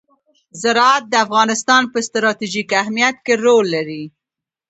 زراعت د افغانستان په ستراتیژیک اهمیت کې رول لري.